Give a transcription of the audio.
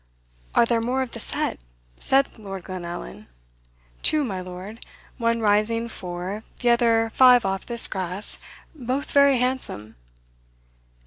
"Are there more of the set?" said Lord Glenallan. "Two, my lord, one rising four, the other five off this grass, both very handsome."